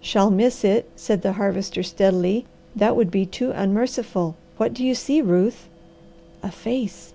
"Shall miss it," said the Harvester steadily. "That would be too unmerciful. What do you see, Ruth?" "A face.